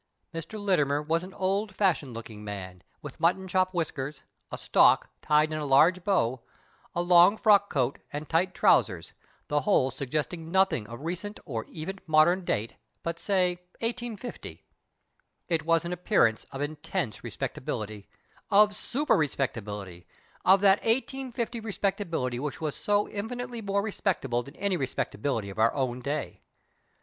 Mr. Littimer was an old fashioned looking man, with mutton chop whiskers, a " stock," tied in a large bow, a long frock coat, and tight trousers — the whole suggesting nothing of recent or even 52 MR. CRICHTON AND MR. LITTIMER modern date, but, say, 1850. It was an appearance of intense respectability, of super respectability, of that 1850 respectability which was so infinitely more respectable than any respectability of our own day.